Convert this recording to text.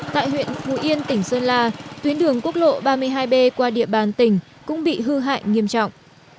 tại huyện phú yên tỉnh sơn la tuyến đường quốc lộ ba mươi hai b qua địa bàn tỉnh cũng bị hư hại nghiêm trọng